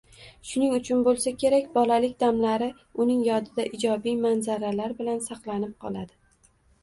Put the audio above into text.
Shuning uchun bo‘lsa kerak, bolalik damlari uning yodida ijobiy manzaralar bilan saqlanib qoladi.